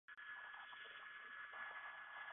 龙王塘站为侧式站台高架站。